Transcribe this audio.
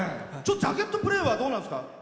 ジャケットプレーはどうなんですか？